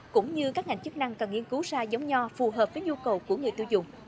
cũng như các ngành chức năng cần nghiên cứu ra giống nho phù hợp với nhu cầu của người tiêu dùng